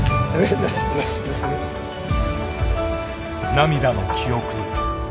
涙の記憶。